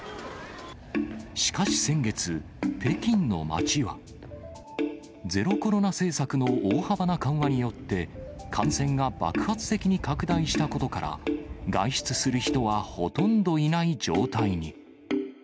しかし先月、北京の街は、ゼロコロナ政策の大幅な緩和によって、感染が爆発的に拡大したことから、外出する人はほとんどいない状態に。